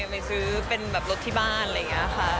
ไปซื้อเป็นแบบรถที่บ้านอะไรอย่างนี้ค่ะ